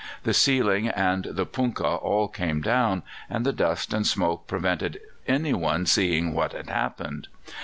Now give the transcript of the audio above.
The ceiling and the punkah all came down, and the dust and smoke prevented anyone seeing what had happened.